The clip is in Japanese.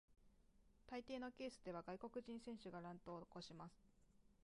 大抵のケースでは外国人選手が乱闘を起こします。